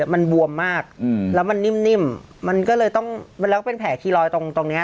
มันบวมมากแล้วมันนิ่มมันก็เลยต้องแล้วก็เป็นแผลคีรอยตรงตรงเนี้ย